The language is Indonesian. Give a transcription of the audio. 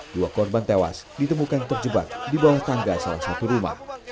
dua korban tewas ditemukan terjebak di bawah tangga salah satu rumah